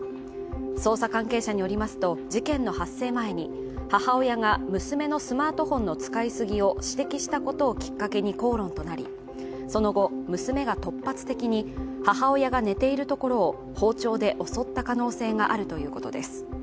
捜査関係者によりますと、事件の発生前に母親が娘のスマートフォンの使いすぎを指摘したことをきっかけにきっかけに口論となり、その後、娘が突発的に母親が寝ているところを包丁で襲った可能性があるということです。